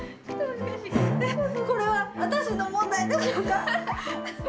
これは私の問題でしょうか？